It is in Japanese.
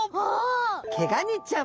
ケガニちゃん。